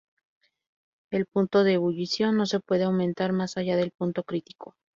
El punto de ebullición no se puede aumentar más allá del punto crítico.